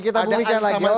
kita bumikan lagi